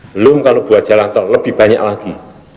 belum kalau buat jalan tol lebih banyak lagi